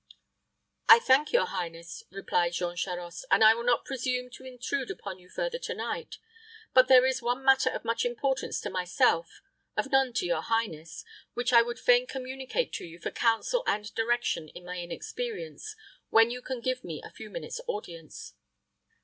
"I thank your highness," replied Jean Charost, "and will not presume to intrude upon you further to night; but there is one matter of much importance to myself of none to your highness which I would fain communicate to you for counsel and direction in my inexperience, when you can give me a few minutes' audience."